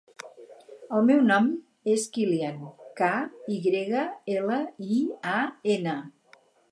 El meu nom és Kylian: ca, i grega, ela, i, a, ena.